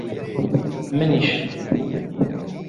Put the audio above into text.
منیش.